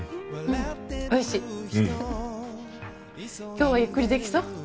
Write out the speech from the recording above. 今日はゆっくり出来そう？